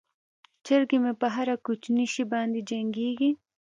چرګې مې په هر کوچني شي باندې جنګیږي.